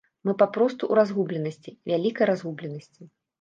Мы папросту ў разгубленасці, вялікай разгубленасці.